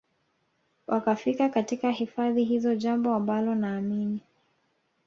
wakifika katika hifadhi hizo jambo ambalo naamini